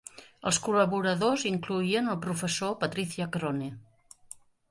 Els col·laboradors incloïen el professor Patricia Crone.